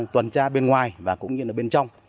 tuần tra bên ngoài và cũng như là bên trong